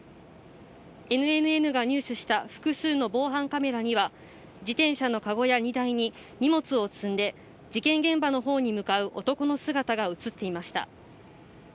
ＮＮＮが入手した複数の防犯カメラには、自転車のカゴや荷台に荷物を積んで、事件現場のほうに向かう男の姿が映っていました。